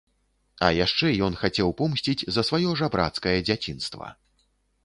А яшчэ ён хацеў помсціць за сваё жабрацкае дзяцінства.